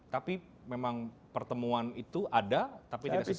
tapi memang pertemuan itu ada tapi tidak sesering itu